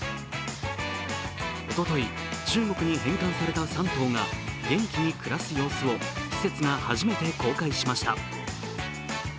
おととい、中国に返還された３頭が元気に暮らす様子を施設が初めて公開しました。